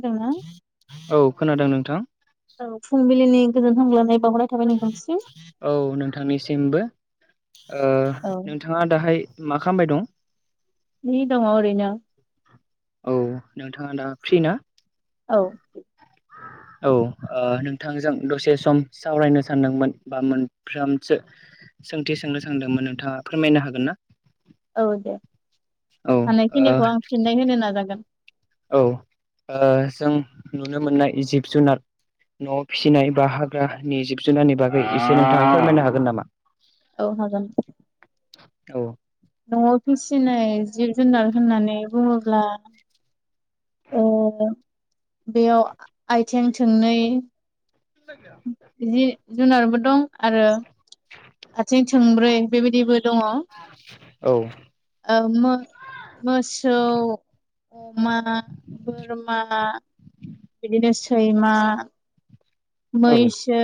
खोनादोंना? औ खोनादों नोंथां गोजोनथों औ नोंथांनिसिमबो औ नोंथाङा दाहाय मा खालामबाय दं नि दङ ओरैनो औ नोंथाङा दा फ्रि ना औ [inaudible] औ नोंथांजों दसे सम सावरायनो सानदोंमोन बा मोनफ्रामसो सोंथि सोंनो सोंदोंमोन नोंथाङा फोरमायनो हागोन ना औ दे औ हानायखिनिखौ आं फिननाय होनो नाजागोन। औ जों नुनो मोननाय जिब जुनार न'आव फिसिनाय बा हाग्रानि जिब जुनारनि बागै एसे नोंथाङा फोरमायनो हागोन नामा औ हागोन औ न'आव फिसिनाय जिब जुनार होननानै बुङोब्ला बेयाव आथिं थोंनै [unintelligible] जुनारफोर दं आरो आथिं थोंब्रै बेबायदिबो दङ औ मो मोसौ अमा बोरमा बिदिनो सैमा औ मैसो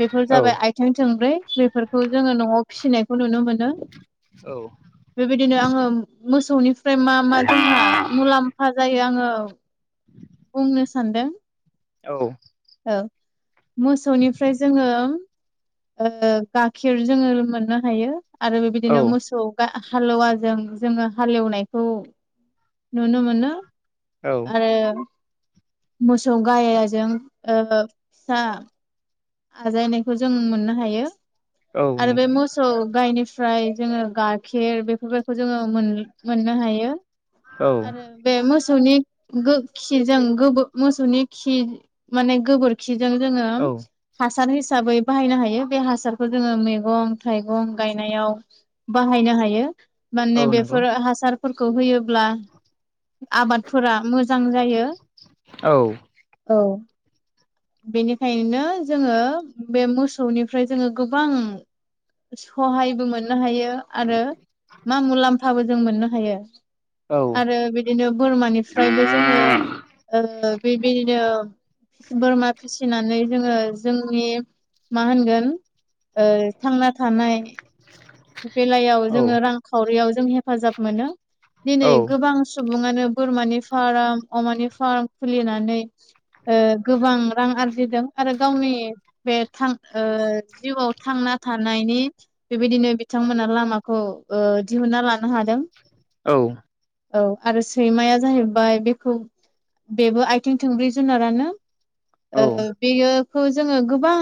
बेफोर जाबाय आथिं थोंब्रै बेफोरखौ जोङो न'आव फिसिनायखौ नु नुनो मोनो बेबायदिनो आङो मोसौनि ओमफ्राय मा मा जोंहा मुलाम्फा जायो आङो बुंनो सानदों औ मोसौनिफ्राय जोङो गाइखेर जोङो मोननो हायो आरो औ बेबायदिनो मोसौ गा हालेवाजों जोङो हालेवनायखौ नुनो मोनो। औ आरो मोसौ गायजों फिसा आजायनायखौ जों मोननो हायो औ आरो बे नोंथां मोसौ गायनो ओमफ्राय जोङो गाइखेर बेफोरफोरखौ जोङो मोन मोननो हायो औ आरो बे मोसौ सौनि खिजों मोसौनि खि माने गोबोरखि जों जोङो औ हासार हिसाबै बाहायनो हायो बे हासारखौ जोङो मैगं थाइगं गायनायाव बाहायनो हायो औ माने नंगौ बेफोर हासारफोरखौ होयोब्ला आबादफोरा मोजां जायो औ औ बेनिखायनो जोङो बे मोसौनिफ्राय जोङो गोबां सहायबो मोननो हायो आरो मा मुलामफाबो जों मोननो हायो। औ आरो बिदिनो बोरमानिफ्रायबो जोङो बेबायदिनो बोरमा फिसिनानै जोङो जोंनि मा होनगोन थांना थानाय बेलायाव जोङो रांखावरियाव जों हेफाजाब मोनो औ दिनै गोबां सुबुं सुबुङानो बोरमानि फार्म अमानि फार्म खुलिनानै ओ गोबां रां आर आरजिदों आरो गावनि बे जिउआव थांना थानायनि बेबायदिनो बिथांमोना लामाखौ दिहुनना लानो हादों। औ औ आरो सैमाया जाहैबाय बेखौ बेबो आथिं थोंब्रै जुनारानो बेयोखौ जोङो गोबां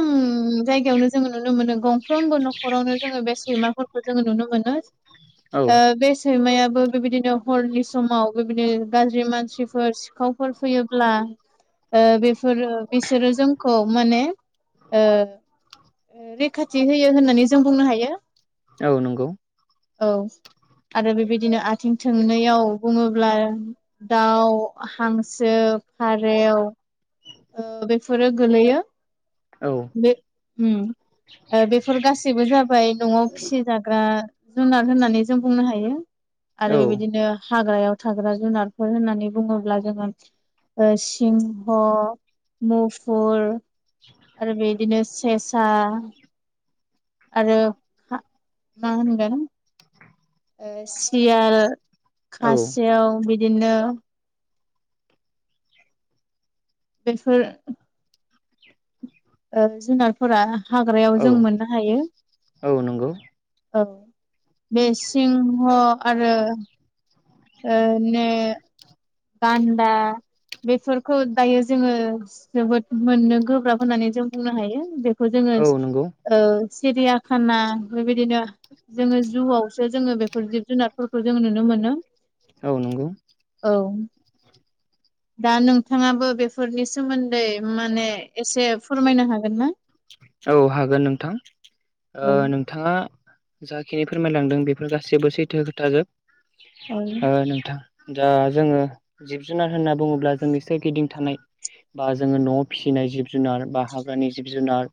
जायगायावनो जोङो नुनो मोनो गंफ्रोमबो न'खराव आवनो जोङो बे सैमफोरखौ जोङो नुनो मोनो। औ ओ‌ बेस सैमायाबो बेबायदिनो हरनि समाव बेबायदिनो गाज्रि मानसिफोर सिखावफोर फैयोब्ला बेफोरो बिसोरो जोंखौ माने रैखाथि होयो होननानै जों बुंनो हायो। औ नंगौ। औ आरो बेबायदिनो आथिं थोंनैयाव बुङोब्ला दाउ हांसो फारेव ओ बेफोरो गोलैयो। औ बे उम बेफोर गासैबो जाबाय न'आव फिसिजाग्रा जुनार होननानै जों बुंनो हायो। औ आरो बेबायदिनो हाग्रायाव थाग्रा जुनारफोर होननानै बुङोब्ला जोङो सिंह मुफुर आरो बिदिनो सेसा आरो मा होनगोन। सियाल खासेयाव बिदिनो बेफोर ओ जुनारफोरा हाग्रायाव औ जों मोननो हायो। औ नंगौ औ नंगौ औ बे सिंह आरो ओ नो गान्दा बेफोरखौ दायो जोङो जोबोद मोननो गोब्राब होननानै जों बुंनो हायो बेखौ जोंङो औ नंगौ औ सिरियाखाना बेबायदिनो जोङो जुआवसो जोङो बेफोर जिब जुनारफोरखौ जों नुनो मोनो। औ नंगौ औ [inaudible] दा नोंथाङाबो बेफोरनि सोमोन्दै माने एसे फोरमायनो हागोन ना औ हागोन नोंथां औ ओ नोंथाङा जाखिनि फोरमायलांदों बेफोर गासैबो सैथो खोथाजोब ओ औ नोंथां दा जोङो जिब जुनार होनना बुङोब्ला जोंनि सोरगिदिं थानाय बा जोङो न'आव फिसिनाय जिब जुनार बा हाग्रानि जिब जुनार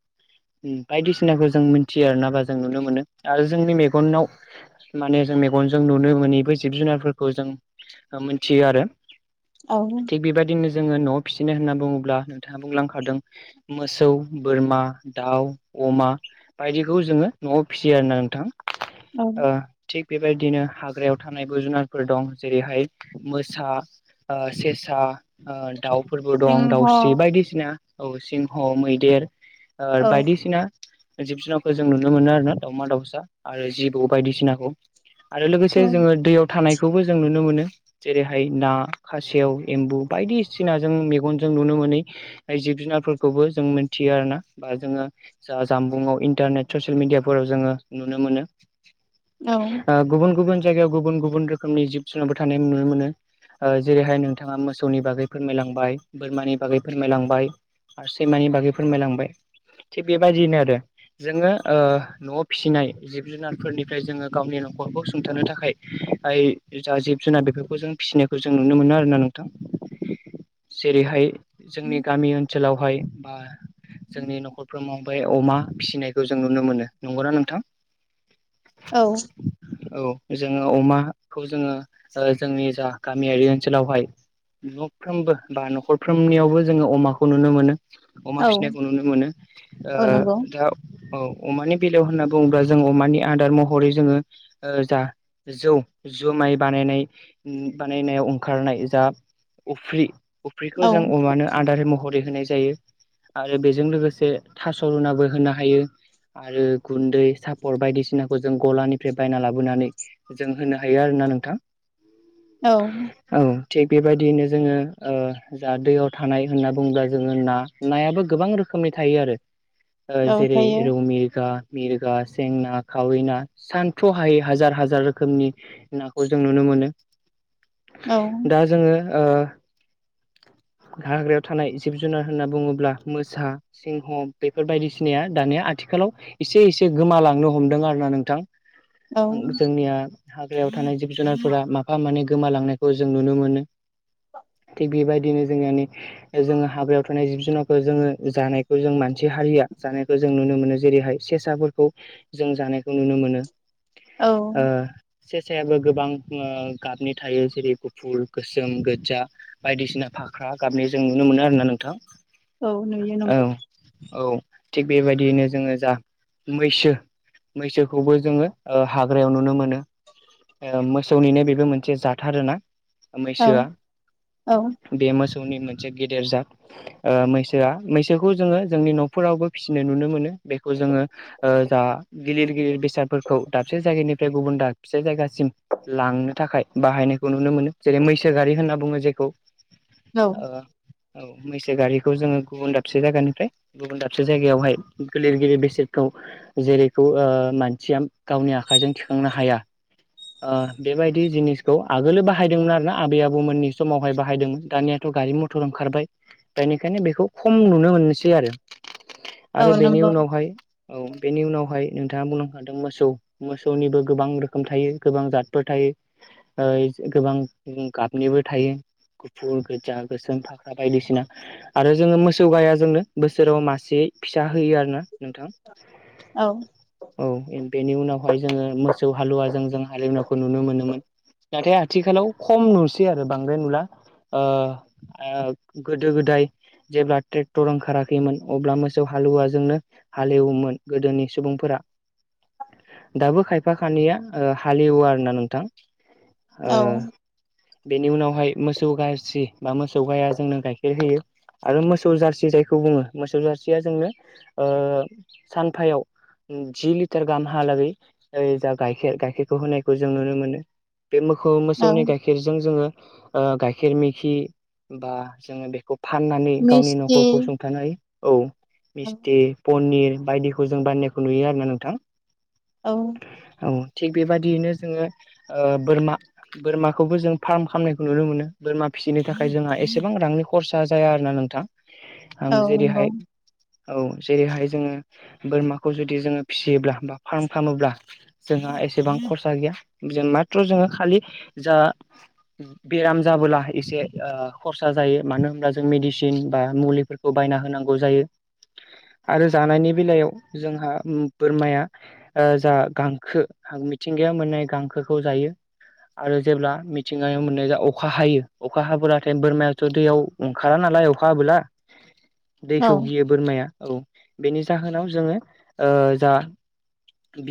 बायदिसिनाखौ जों मिथियो आर ना बा जों नुनो मोनो आरो जोंनि मेगनाव माने जों मेगन गनजों नुनो मोनैबो जिब जुनारफोरखौ जों मिथियो आरो औ थिग बेबायदिनो जोङो न'आव फिसिनो होनना बुङोब्ला नोंथाङा बुंलांखादों मोसौ बोरमा दाउ अमा बायदिखौ जोङो न'आव फिसियो आरोना नोंथां औ ओ थिग बेबायदिनो हाग्रायाव थानायबो जुनारफोर दं जेरैहाय मोसा ओ सेसा ओ दाउ फोरबो दं सिंह औ दाउस्रि बायदिसिना औ सिंह मैदेर ओ औ बायदिसिना जिब जुनारखौ जों नुनो मोनो आरोना दाावमा दाउसा आरो जिबौ बायदिसिनाखौ आरो औ लोगोसे जोङो दैयाव थानाय खौबो जों नुनो मोनो जेरैहाय ना खासेव एम्बु बायदिसिनाजों मेगनजों नुनो मोनै जिब जुनारफोरखौबो जों मिथियो आरो ना बा जोङो जा जामबुंआव इन्टारनेट ससियेल मिडियाफोराव जोङो नुनो मोनो। ओ गुबुन गुबुन जायगायाव गुबुन गुबुन रोखोमनि जिब जुनारफोर थानाय नुनो मोनो। ओ जेरैहाय नोंथाङा मोसौनि बागै फोरमायलांबाय बोरमानि बागै फोरमायलांबाय। आरो सैमानि बागै फोरमायलांबाय। थिग बेबायदियैनो आरो जोङो ओ न'आव फिसिनाय जिब जुनारफोरनिफ्राय जोङो गावनि न'खरखौ सुंथानो थाखाय [unintelligible] जा जिब जुनार बेफोरखौ जों फिसिनायखौ जों नुनो मोनो आरो ना नोंथां जेरैहाय जोंनि गामि ओनसोलावहाय बा जोंनि न'खर ओमफाय अमा फिसिनायखौ जों नुनो मोनो नंगौ नोंथां औ औ जोङो अमाखौ जोङो ओ जोंनि जा गामियारि ओनसोलावहाय न'फ्रोमबो बा न'खरफ्रोमनियावबो जोङो अमाखौ नुनो मोनो। अमा औ फिसिनायखौ नुनो मोनो ओ औ नंगौ दा औ अमानि बेलायाव होनना बुङोब्ला जों अमानि आदार महरै जोङो ओ जा जौ जुमाइ बानायनाय बानायनायाव ओंखारनाय जा अफ्रि अफ्रिखौ औ जों अमानो आदार महरै होनाय जायो आरो बेजों लोगोसे थास' रुनाबो होनो हायो। आरो गुन्दै सापर बायदिसिनाखौ जों गलानिफ्राय बायना लाबोनानै जों होनो हायो आरो ना नोंथां। औ औ थिग बेबायदियैनो जोङो ओ जा दैयाव थानाय होनना बुङोब्ला जोङो ना नायाबो गोबां रो खोमनि थायो आरो औ जेरै थायो रौ मिरगा मिरगा सेंना खावै ना सान्थ्र' हायै हाजार हाजार रोखोमनि नाखौ जों नुनो मोनो औ दा जोङो ओ हाग्रायाव थानाय जिब जुनार होनना बुङोब्ला मोसा सिंहम बेफोर बायदिसिनाया दानिया आथिखालाव एसे एसे गोमालांनो हमदों आरो ना नोंथां औ जोंनिया हाग्रायाव थानाय जिब जुनारफोरा माफा मानै गो गोमालांनायखौ जों नुनो मोनो। थिग बेबायदिनो जोंनि माने जोङो हाबायाव थानाय जिब जुनारखौ जोङो जानायखौ जों मान सि हारिया जानायखौ जों नुनो मोनो जेरैहाय सेसाफोरखौ जों जानायखौ नुनो मोनो। औ ओ सेसायाबो गोबां ओ गाबनि थायो जेरै गुफुर, गोसोम, गोजा बायदिसिना फाख्रा गाबनि जों नुनो मोनो आरोना नोंथां औ नुयो औ नंगौ औ थिग बेबायदियैनो जोङो जा मैसो मैसोखौबो जोङो ओ हाग्रायाव नुनो मोनो ओ मोसौनिनो बेबो मोनसे जाथ आरोना औ मैसोआ औ बे मो सौनि मोनसे गेदेर जाथ मैसोआ मैसोखौ जोङो जोंनि न'फोरावबो फिसिनो नुनो मोनो बेखौ जोङो ओ जा गिलिर गिलिर बेसादफोरखौ दाब से जायगानिफ्राय गुबुन दाबसे जायगासिम लांनो थाखाय बाहायनायखौ नुनो मोनो जेरै मैसो गारि होनना बुङो जेखौ औ ओ औ मैसो गारिखौ जोङो गुबुन दाबसे जायगानिफ्राय गुबुन दाबसे जायगायावहाय गिलिर गिलिर बेसादखौ जेरैखौ मानसिया गावनि आ खाइजों थिखांनो हाया ओ बेबायदि जिनिसखौ आगोलो बाहायदोंमोन आरोना आबै आबौमोननि समावहाय बाहायदोंमोन दानियाथ' गारि मटर ओंखारबाय बेनिखायनो बेखौ खम नुनो मोनसै आरो औ आरो बेनि नंगौ उनावहाय औ बेनि उनावहाय नोंथाङा बुंलांखादों मोसौ मोसौनिबो गोबां रोखोम थायो गोबां जादफोर थायो ओ गोबां गाबनिबो थायो गुफुर गोजा गोसोम फाख्रा बायदिसिना आरो जोङो मोसौ गाया जोंनो बो सोराव मासे फिसा होयो आरो ना नोंथां औ औ बेनि उनावहाय जोङो मोसौ हालुवाजों जों हाले एवनायखौ नुनो मोनोमोन नाथाय आथिखालाव खम नुसै आरो बांद्राय नुला ओ ओ गोदो गोदाय जेब्ला ट्रेक्टर ओंखारा खैमोन अब्ला मोसौ हालुवाजोंनो हाल एवोमोन गोदोनि सुबुंफोरा दाबो खायफा खानिया हाल एवो आरोना नोंथां ओ औ बेनि उनावहाय मोसौ जारसि बा मोसौ गाया जोंनो गाइखेर होयो आरो मोसौ जारसि जाय बेखौ बुङो मोसौ जासिया जोंनो सानफायाव जि लिटार गाहामहालागै जा गाइखेर गायखेरखौ होनायखौ जों नुनो मोनो बे मोसौ औ मोसौनि गाइखेरजों जोङो गाइखेर मिखि बा जोङो बेखौ फाननानै गावनि मिस्थि न'खरखौ सुंथानाय औ औ मिस्थि पनिर बायदिखौ जों बान्नायखौ नुयो आरो ना नोंथां औ औ थिग बेबादियैनो जोङो बोरमा बोरमाखौबो जों फार्म खालामनायखौ नुनो मोनो बोरमा फिसिनो थाखाय जोंहा एसेबां रांनि खरसा जाया आरो ना नोंथां आं औ नंगौ जेरैहाय औ जेरैहाय जोङो बोरमाखौ जुदि जोङो फिसियोब्ला बा फार्म खालामोब्ला जोंहा एसेबां खरसा गैया जों माथ्र जोङो खालि जा बेराम जाबोला एसे खरसा जायो मानो होनब्ला जों मेदिसिन बा मुलिफोरखौ बायना होनांगौ जायो आरो जानायनि बेलायाव जोंहा बोरमाया जा गांखो मिथिंगाया मोननाय गांखोखौ जायो। आरो जेब्ला मिथिंगायाव मोननाय ज अखा हायो अखा हाब्लाथाय बोरमायाथ दैयाव ओंखारा नालाय अखाबोला औ दैखौ गियो बोरमाया औ बेनि जाहोनाव जोङो जा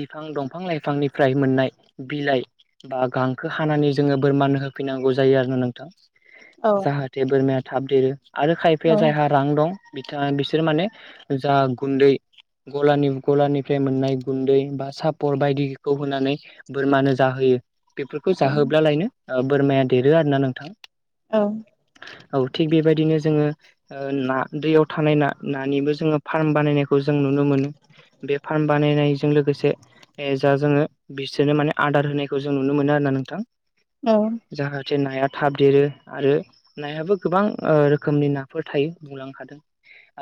बिफां दंफां लाइफांनिफ्राय मोननाय बिलाइ बा गांखो हानानै जोङो बोरमानो होफैनांगौ जायो आरो ना नोंथां औ जाहाथे बोरमाया थाब देरो आरो औ खायफाया जायहा रां दं बिथाङा बिसोर माने जा गुन्दै गलानि गलानिफ्राय मोननाय गुन्दै बा सापर बायदिखौ होनानै बोरमानो जाहोयो बेफोरखौ जाहोब्ला लायनो बोरमाया देरो आरो ना नोंथाङा औ औ थिग बेबायदिनो जोङो ओ ना दैयाव थानाय नानिबो जोङो फार्म बानायनायखौ जों नुनो मोनो। बे फार्म बानायनायजों लोगोसे जा जोङो बिसोरनो माने आदार होनायखौ जों नुनो मोनो आरो। ना नोंथां औ जे नाया थाब देरो आरो नायाबो गोबां ओ रोखोमनि नाफोर थायो बुंलांनो हादों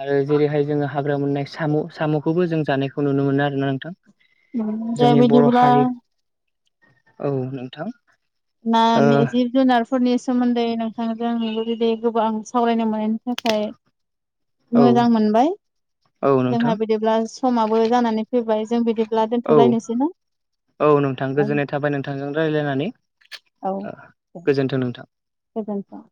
आरो जेरैहाय जोङो हाग्रा मोननाय साम सामखौबो जों जानायखौ नुनो मोनो आरोना नोंथां। दे जोंनि बर' बिदिब्ला हारि औ नोंथां ना ओ जिब जुनारफोरनि सोमोन्दै नोंथांजों बिदि गोबां सावरायनो मोनो [unintelligible] औ मोजां मोनबाय औ नोंथां जोंहा बिदिब्ला समाबो जानानै फैबाय। जों बिदिब्ला औ दोनथ'लायनोसै ना औ नोंथां गोजोननाय थाबाय नोंथांजों रायज्लायनानै। गोजोनथों नोंथां। गोजोनथों।